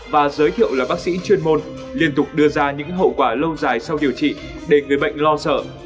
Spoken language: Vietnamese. và giới thiệu là bác sĩ chuyên môn liên tục đưa ra những hậu quả lâu dài sau điều trị để người bệnh lo sợ